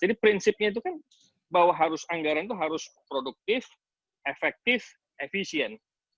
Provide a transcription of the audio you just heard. jadi prinsipnya itu kan bahwa anggaran itu harus produktif efektif efisien